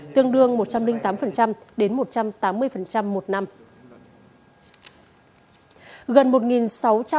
tương đương một trăm linh tám đến một trăm tám mươi một năm